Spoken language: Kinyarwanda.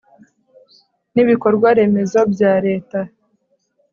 n ibikorwa remezo bya Leta